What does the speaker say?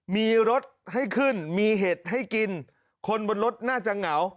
มีรถให้ขึ้นมีเห็ดให้กินคนบนรถน่าจะเหงา